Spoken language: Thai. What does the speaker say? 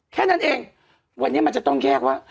แค่นั้นเองวันนี้มันจะต้องแยกว่า